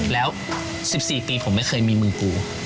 แล้ว๑๔ปีผมไม่เคยมีมือกู